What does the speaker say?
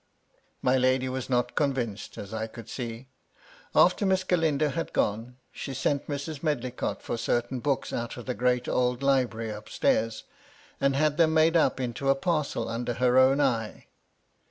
My lady was not convinced, as I could see. After Miss Galindo had gone, she sent Mrs. Medlicott for certain books out of the great old library up stairs, and had them made up into a parcel under her own eye.